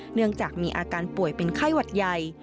เนื่องจากมีอาการป่วยเป็นไข้หวัดใหญ่